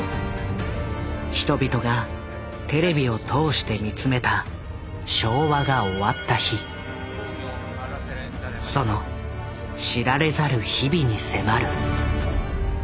人々がテレビを通して見つめたその知られざる日々に迫る。